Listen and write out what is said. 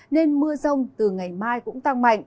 nên mưa rông từ ngày mai cũng tăng mạnh